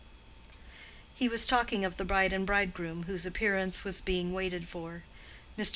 He was talking of the bride and bridegroom, whose appearance was being waited for. Mr.